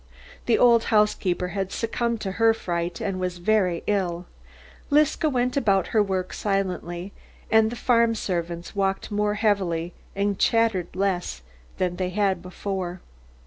The old housekeeper had succumbed to her fright and was very ill. Liska went about her work silently, and the farm servants walked more heavily and chattered less than they had before.